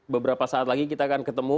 beberapa saat lagi kita akan ketemu